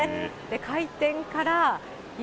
開店から今、